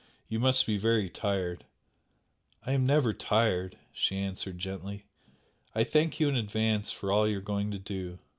You must be very tired." "I am never tired" she answered, gently "I thank you in advance for all you are going to do!"